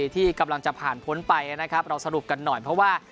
ที่กำลังจะผ่านพ้นไปนะครับเราสรุปกันหน่อยเพราะว่า